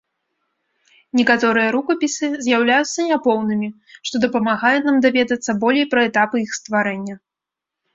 Некаторыя рукапісы з'яўляюцца няпоўнымі, што дапамагае нам даведацца болей пра этапы іх стварэння.